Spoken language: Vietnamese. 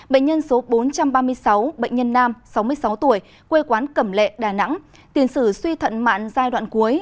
bệnh nhân số bốn trăm ba mươi sáu bệnh nhân nam sáu mươi sáu tuổi quê quán cẩm lệ đà nẵng tiền sử suy thận mạng giai đoạn cuối